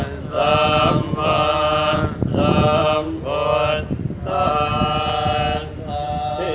อธินาธาเวระมะนิสิขาเวระมะนิสิขาปะทังสมาธิยามี